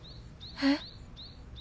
えっ！？